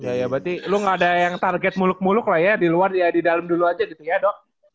iya ya berarti lu gak ada yang target muluk muluk lah ya di luar ya di dalam dulu aja gitu ya dok